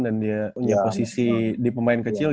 dan dia punya posisi di pemain kecil